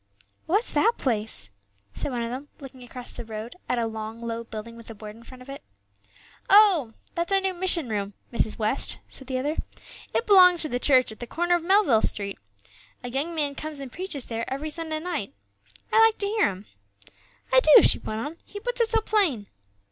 "What's that place?" said one of them, looking across the road at a long, low building with a board in front of it. "Oh; that's our new mission room, Mrs. West," said the other; "it belongs to the church at the corner of Melville Street. A young man comes and preaches there every Sunday night; I like to hear him, I do," she went on, "he puts it so plain."